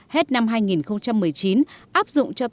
hết năm hai nghìn một mươi chín áp dụng cho tổng chi thực